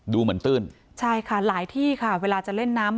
ดูเหมือนตื้นใช่ค่ะหลายที่ค่ะเวลาจะเล่นน้ำ